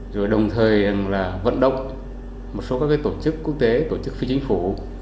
rồi đồng thời là vận động một số các tổ chức quốc tế tổ chức phi chính phủ